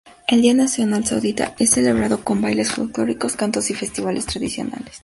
El día Nacional Saudita es celebrado con bailes folclóricos, cantos y festivales tradicionales.